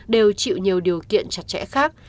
đều chịu nhiều điều kiện chặt chẽ khác